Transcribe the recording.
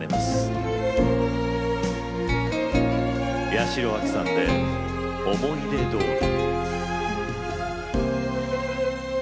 八代亜紀さんで「想い出通り」。